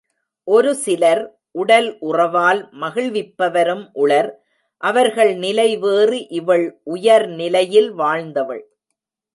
ஒரு சிலர் உடல் உறவால் மகிழ்விப்பவரும் உளர், அவர்கள் நிலை வேறு இவள் உயர்நிலையில் வாழ்ந்தவள்.